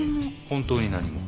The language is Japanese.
本当に何も？